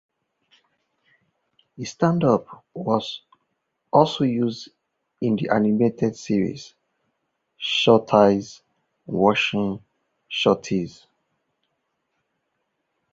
His stand-up was also used in the animated series "Shorties Watchin' Shorties".